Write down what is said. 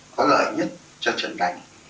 có lợi nhất cho trận đánh